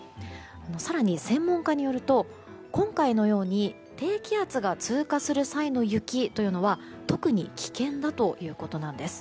更に、専門家によると今回のように低気圧が通過する際の雪というのは特に危険だということなんです。